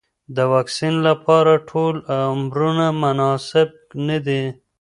د واکسین لپاره ټول عمرونه مناسب نه دي.